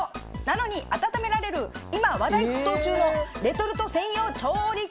なのに温められる今話題沸騰中のレトルト専用調理器です。